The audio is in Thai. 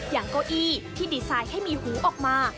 เก้าอี้ที่ดีไซน์ให้มีหูออกมา